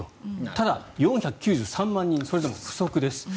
ただ、４９３万人それでも不足です。